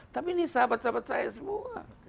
tapi ini sahabat sahabat saya semua